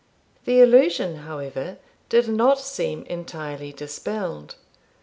The illusion, however, did not seem entirely dispelled.